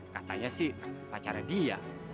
katanya sih pacarnya dia